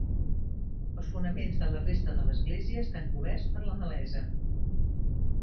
Els fonaments de la resta de l'església estan coberts per la malesa.